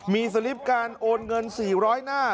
มีสลิปการโอนเงิน๔๐๐หน้า